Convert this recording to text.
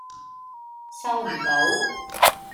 收唔到